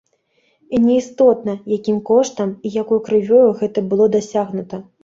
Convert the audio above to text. І неістотна, якім коштам і якой крывёю гэта было дасягнута.